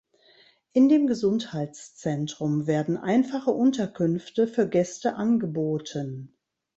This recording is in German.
In dem Gesundheitszentrum werden einfache Unterkünfte für Gäste angeboten.